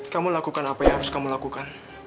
kamu lakukan apa yang harus kamu lakukan